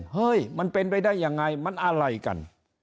เฮ้ยมันเป็นไปได้ยังไงมันอะไรกัน